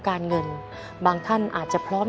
การเงินบางท่านอาจจะพร้อม